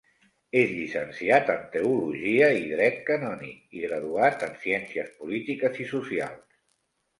És Llicenciat en teologia i Dret canònic i graduat en ciències polítiques i socials.